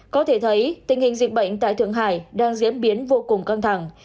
có thể thấy tình hình dịch bệnh tại thượng hải đang diễn biến vô cùng căng thẳng